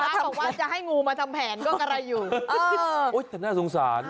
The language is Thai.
พระบาทจะให้งูมาทำแผนก็กำลัยอยู่เออโอ้ยแต่น่าสงสาร